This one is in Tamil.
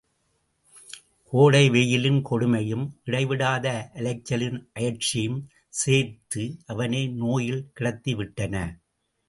கோடை வெயிலின் கொடுமையும், இடைவிடாத அலைச்சலின் அயர்ச்சியும் சேர்த்து அவனை நோயில் கிடத்திவிட்டன.